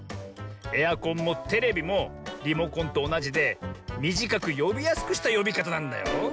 エアコンもテレビもリモコンとおなじでみじかくよびやすくしたよびかたなんだよ。